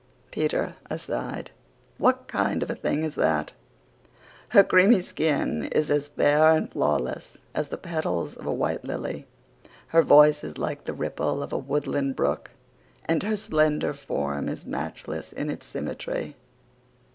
(PETER, ASIDE: "What kind of a thing is that?") Her creamy skin is as fair and flawless as the petals of a white lily. Her voice is like the ripple of a woodland brook and her slender form is matchless in its symmetry.